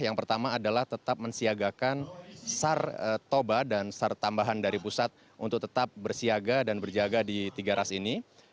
yang pertama adalah tetap mensiagakan sartoba dan sartambahan dari pusat untuk tetap bersiaga dan berjaga di tiga ras ini